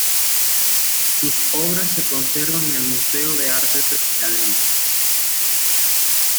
Sus obras se conservan en el Museo de Arte de Filadelfia.